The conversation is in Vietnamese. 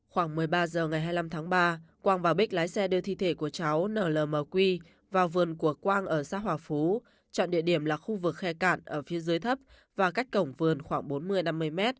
khoảng một mươi ba h ngày hai mươi năm tháng ba quang và bích lái xe đưa thi thể của cháu nlmq vào vườn của quang ở xã hòa phú chọn địa điểm là khu vực khe cạn ở phía dưới thấp và cách cổng vườn khoảng bốn mươi năm mươi mét